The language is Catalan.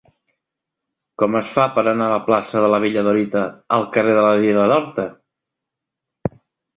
Com es fa per anar de la plaça de la Bella Dorita al carrer de la Riera d'Horta?